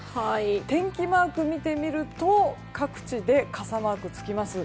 天気マーク見てみると各地で傘マークつきます。